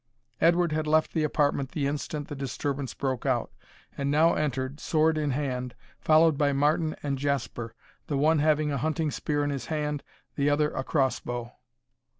Edward had left the apartment the instant the disturbance broke out, and now entered, sword in hand, followed by Martin and Jasper, the one having a hunting spear in his hand, the other a cross bow.